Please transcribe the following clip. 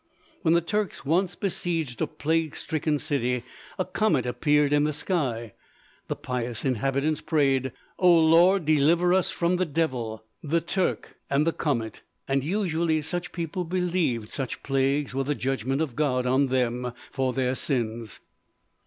When the Turks once besieged a plague stricken city, a comet appeared in the sky. The pious inhabitants prayed "O Lord, deliver us from the devil, the Turk and the comet," and usually such people believed such plagues were the judgment of God on them for their sins.